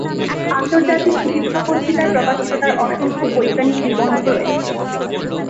আন্তর্জাতিক চিকিৎসা পত্রিকায় প্রকাশিত তার অসংখ্য বৈজ্ঞানিক নিবন্ধ রয়েছে।